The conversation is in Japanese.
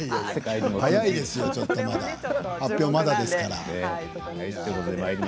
早いですよ、発表はまだですよ。